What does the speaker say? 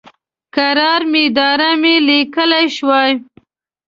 قرار میدارم یې لیکلی شوای.